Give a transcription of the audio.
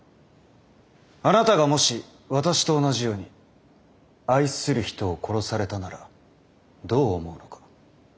あなたがもし私と同じように愛する人を殺されたならどう思うのか。